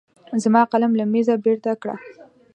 زما قلم له مېزه بېرته کړه.